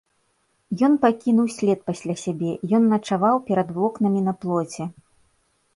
Ён пакінуў след пасля сябе, ён начаваў перад вокнамі на плоце.